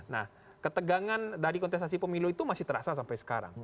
nah ketegangan dari kontestasi pemilu itu masih terasa sampai sekarang